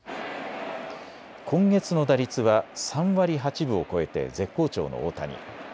今月の打率は３割８分を超えて絶好調の大谷。